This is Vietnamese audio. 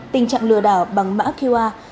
tình trạng lừa đảo bằng mã qr